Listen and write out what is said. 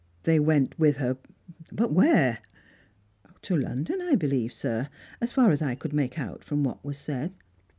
" They went with her, but where ?"" To London, I believe, sir. As far as I could make out from 'jiat was said."